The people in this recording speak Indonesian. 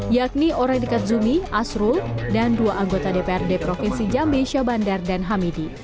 yakni orang dekat zumi asrul dan dua anggota dprd provinsi jambi syabandar dan hamidi